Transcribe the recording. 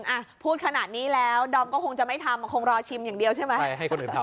อ่าพูดขนาดนี้แล้วดอมก็คงจะไม่ทำคงรอชิมอย่างเดียวใช่ไหม